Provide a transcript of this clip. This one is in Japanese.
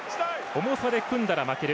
重さで組んだら負ける。